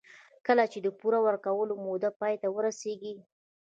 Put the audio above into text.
کله چې د پور ورکولو موده پای ته ورسېږي